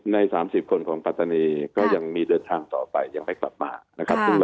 ใน๓๐คนของปัตตานีก็ยังมีเดินทางต่อไปยังไม่กลับมานะครับ